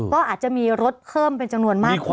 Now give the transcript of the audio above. ก็อาจจะมีรถเพิ่มเป็นจำนวนมาก